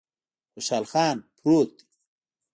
خوشحال خان پروت دی